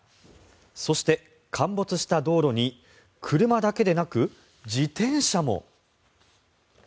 そして、陥没した道路に車だけでなく自転車も。